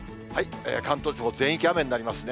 関東地方、全域雨になりますね。